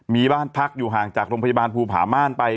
มีบ้านพักอยู่ห่างจากโรงพยาบาลภูผาม่านไป